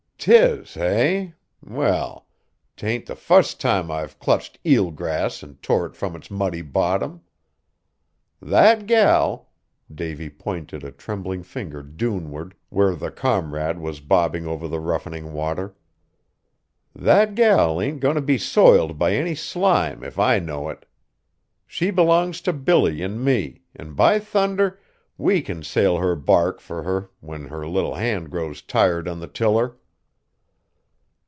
"'T is, hey? Well, 't ain't the fust time I've clutched eelgrass an' tore it from its muddy bottom. That gal," Davy pointed a trembling finger dune ward, where the Comrade was bobbing over the roughening water, "that gal ain't goin' t' be soiled by any slime if I know it. She b'longs t' Billy an' me, an' by thunder! we can sail her bark fur her when her little hand grows tired on the tiller!"